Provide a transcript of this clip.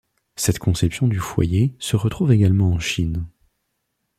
Cette conception du foyer se retrouve également en Chine.